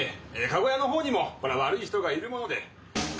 かごやの方にも悪い人がいるもので。